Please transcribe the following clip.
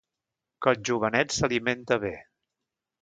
Que el jovenet s'alimente bé...